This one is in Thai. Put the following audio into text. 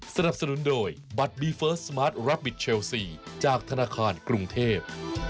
สนับสนุนโดยบัตรบีเฟิร์สสมาร์ทรับบิทเชลซีจากธนาคารกรุงเทพ